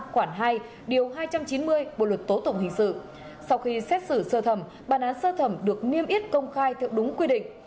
quản hai điều hai trăm chín mươi bộ luật tố tổng hình sự sau khi xét xử xưa thẩm bàn án xưa thẩm được niêm yết công khai theo đúng quy định